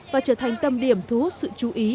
và trở thành tâm điểm thu hút sự chú ý